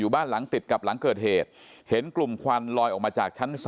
บ้านหลังติดกับหลังเกิดเหตุเห็นกลุ่มควันลอยออกมาจากชั้น๒